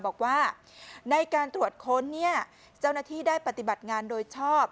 บอกว่าในการตรวจค้นเนี่ยเจ้าหน้าที่ได้ปฏิบัติงานโดยชอบ